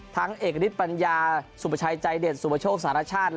ทั้งเอกลิศปัญญาสุปัชายใจเรจสุปโชคศาลชาติ